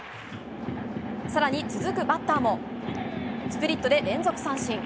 さらに続くバッターも、スプリットで連続三振。